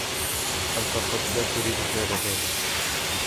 أنتَ قد لا تُريد فِعل ذلك.